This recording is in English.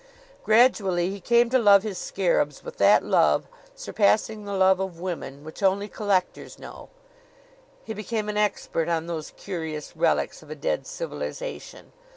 Gradually he came to love his scarabs with that love, surpassing the love of women, which only collectors know. He became an expert on those curious relics of a dead civilization.